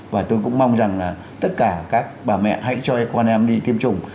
và tôi cũng mong rằng là tất cả các bà mẹ hãy cho con em đi tiêm chủng